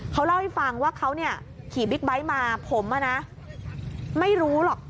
เขาเล่าให้ฟังว่าเขาขี่บิ๊กไบท์มาผมไม่รู้หรอก